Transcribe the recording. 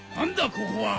ここは！